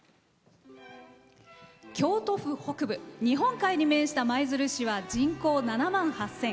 京都府北部、日本海に面した舞鶴市は人口７万８０００。